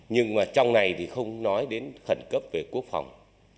nhưng mà trong này thì không nói đến khẩn cấp về quốc phòng